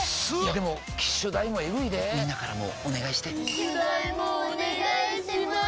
でも機種代もエグいでぇみんなからもお願いして機種代もお願いします